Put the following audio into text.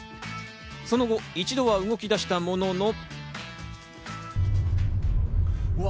その後、一度は動き出したものの。